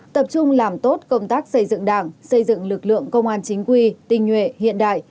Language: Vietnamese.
tập trung làm tốt công tác xây dựng đảng xây dựng lực lượng công an chính quy tinh nhuệ hiện đại